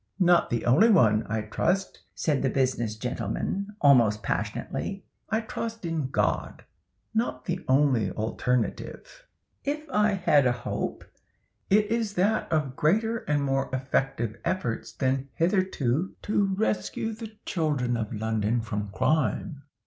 "Not the only one, I trust," said the business gentleman, almost passionately. "I trust in GOD, not the only alternative. If I have a hope, it is that of greater and more effective efforts than hitherto to rescue the children of London from crime."